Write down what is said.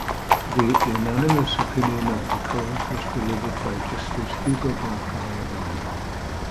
The unanimous opinion of the court was delivered by Justice Hugo Black of Alabama.